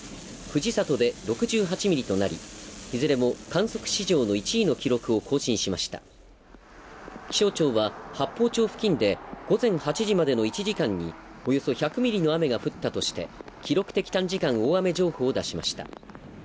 藤里で６８ミリとなりいずれも観測史上の１位の記録を更新しました気象庁は八峰町付近で午前８時までの１時間におよそ１００ミリの雨が降ったとして記録的短時間大雨情報を出しました